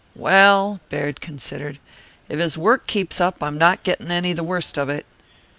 "Well " Baird considered. "If his work keeps up I'm not getting any the worst of it."